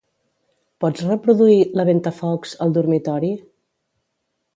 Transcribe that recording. Pots reproduir "La ventafocs" al dormitori?